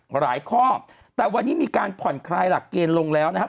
หลายข้อแต่วันนี้มีการผ่อนคลายหลักเกณฑ์ลงแล้วนะครับ